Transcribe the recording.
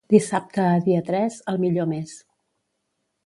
Dissabte a dia tres, el millor mes.